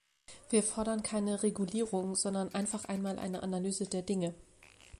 Wir fordern keine Regulierung, sondern einfach einmal eine Analyse der Dinge.